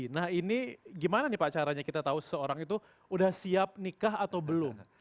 nah ini gimana nih pak caranya kita tahu seseorang itu udah siap nikah atau belum